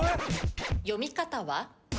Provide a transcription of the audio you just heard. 読み方は？